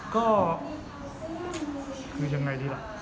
ก็คือยังไงดีล่ะ